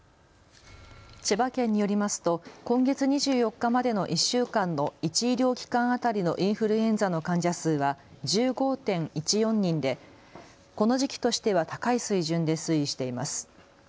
千葉県によりますと今月２４日までの１週間の１医療機関当たりのインフルエンザの患者数は１５．１４人でこの時期としては高い水準で推移しています。